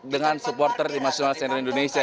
dengan supporter timasional sender indonesia